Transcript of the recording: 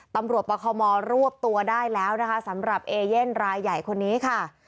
ตำรวจปคมรวบตัวได้แล้วนะคะสำหรับเอเย่นรายใหญ่คนนี้ค่ะ